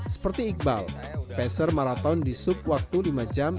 seperti iqbal peser maraton di subwaktu lima jam